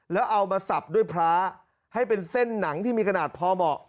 แล้วเอามาสับด้วยพระให้เป็นเส้นหนังที่มีขนาดพอเหมาะ